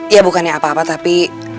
ya bukannya apa apa tapi